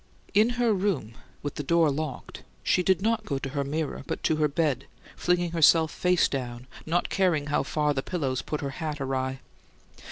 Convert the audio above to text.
In her room, with the door locked, she did not go to her mirror, but to her bed, flinging herself face down, not caring how far the pillows put her hat awry.